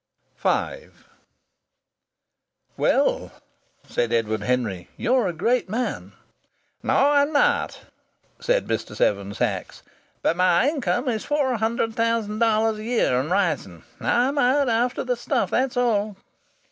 V "Well," said Edward Henry, "you're a great man!" "No, I'm not," said Mr. Seven Sachs. "But my income is four hundred thousand dollars a year, and rising. I'm out after the stuff, that's all."